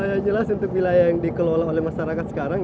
yang jelas untuk wilayah yang dikelola oleh masyarakat sekarang